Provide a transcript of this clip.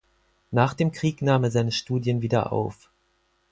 Nach dem Krieg nahm er seine Studien wieder auf.